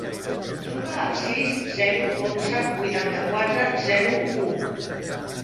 Truca al sis, zero, onze, vuitanta-quatre, zero, u.